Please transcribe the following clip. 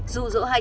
dù dỗ hai cháu bé